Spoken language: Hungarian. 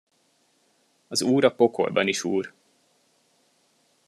Az úr a pokolban is úr.